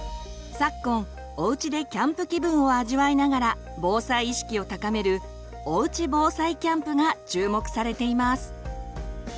昨今おうちでキャンプ気分を味わいながら防災意識を高める「おうち防災キャンプ」が注目されています。